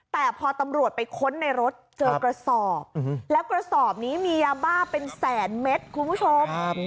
แต่พอตำรวจไปค้นในรถเจอกระสอบแล้วกระสอบนี้มียาบ้าเป็นแสนเม็ดคุณผู้ชม